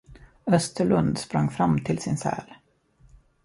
Österlund sprang fram till sin säl.